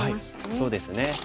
そうですね。